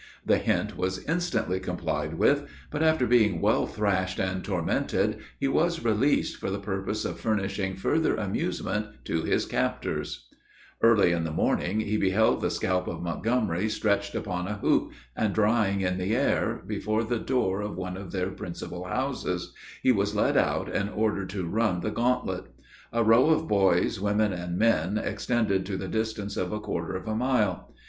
The hint was instantly complied with; but, after being well thrashed and tormented, he was released for the purpose of furnishing further amusement to his captors. [Illustration: DEATH OF MONTGOMERY.] Early in the morning, he beheld the scalp of Montgomery stretched upon a hoop, and drying in the air, before the door of one of their principal houses, he was led out, and ordered to run the gauntlet. A row of boys, women, and men, extended to the distance of a quarter of a mile.